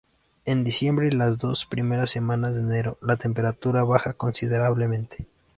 En diciembre y las dos primeras semanas de enero la temperatura baja considerablemente.